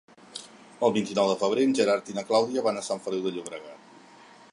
El vint-i-nou de febrer en Gerard i na Clàudia van a Sant Feliu de Llobregat.